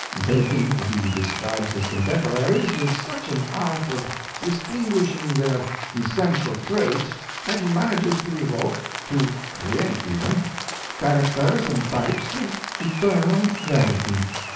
They think he describes his contemporaries with such an art of distinguishing their essential traits, that he manages to evoke, to create even, characters and types of eternal verity.